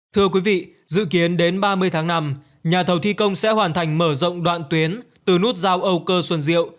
thưa quý vị dự kiến đến ba mươi tháng năm nhà thầu thi công sẽ hoàn thành mở rộng đoạn tuyến từ nút giao âu cơ xuân diệu